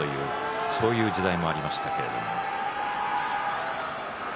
そういう時代もありましたけれども。